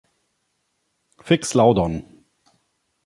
Fix Laudon!